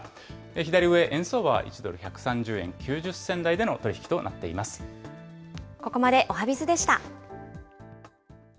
左上、円相場は１ドル１３０円９０銭台での取り引きとなっていまここまでおはＢｉｚでした。